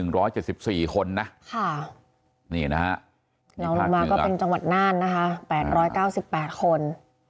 นี่นะฮะแล้วลงมาก็เป็นจังหวัดน่านนะคะ๘๙๘คน